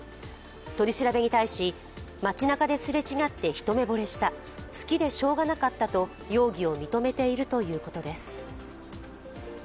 取り調べに対し街中ですれ違って一目惚れした好きでしようがなかったと容疑を認めているということです。